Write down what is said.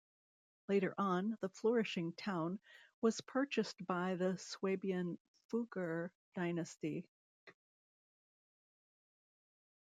Later on, the flourishing town was purchased by the Swabian Fugger dynasty.